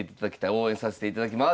応援させていただきます。